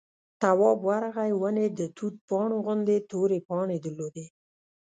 تواب ورغی ونې د توت پاڼو غوندې تورې پاڼې درلودې.